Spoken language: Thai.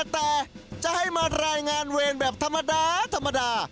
แต่จะให้มารายงานเวรแบบธรรมดา